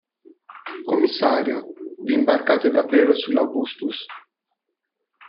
Commissario, v'imbarcate davvero sull'Augustus?